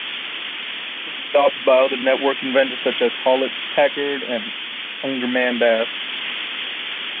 It was adopted by other networking vendors such as Hewlett-Packard and Ungermann-Bass.